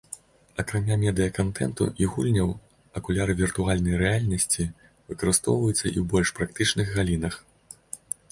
Акрамя медыя-кантэнту і гульняў, акуляры віртуальнай рэальнасці выкарыстоўваюцца і ў больш практычных галінах.